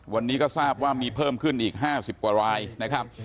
วันนี้ก็ทราบว่ามีเพิ่มขึ้นอีก๕๐กว่ารายนะครับ